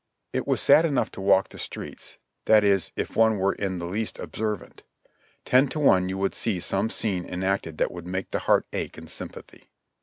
It was sad enough to walk the streets, that is, if one were in the least observant. Ten to one you would see some scene en acted that would make the heart ache in sympathy.